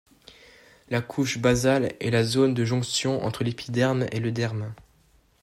La couche basale est la zone de jonction entre l’épiderme et le derme.